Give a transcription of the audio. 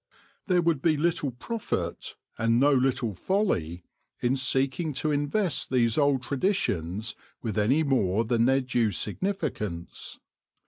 There would be little profit, and no little folly, in seeking to invest these old traditions with any more than their due significance.